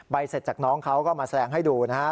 เสร็จจากน้องเขาก็มาแสดงให้ดูนะฮะ